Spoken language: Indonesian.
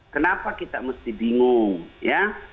kenapa kita mesti bingung ya